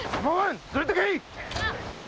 連れてけっ！